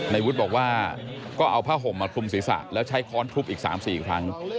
ในวุฒิบอกว่าก็เอาผ้าห่มมาคลุมศีรษะแล้วใช้ค้อนทุบอีก๓๔ครั้ง